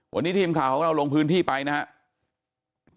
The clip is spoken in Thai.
วันนี้ทีมข่าวของเราลงพื้นที่ไปนะครับ